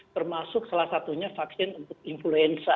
termasuk salah satunya vaksin untuk influenza